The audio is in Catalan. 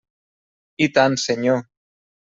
I tant, senyor.